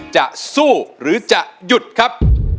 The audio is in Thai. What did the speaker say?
จะสู้หรือจะหยุดครับ